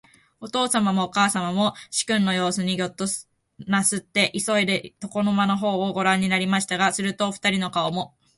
おとうさまもおかあさまも、始君のようすにギョッとなすって、いそいで、床の間のほうをごらんになりましたが、すると、おふたりの顔も、